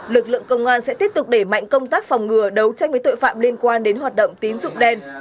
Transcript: lực lượng công an sẽ tiếp tục đẩy mạnh công tác phòng ngừa đấu tranh với tội phạm liên quan đến hoạt động tín dụng đen